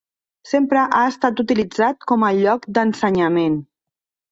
Sempre ha estat utilitzat com a lloc d'ensenyament.